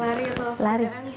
lari atau sekitaran sih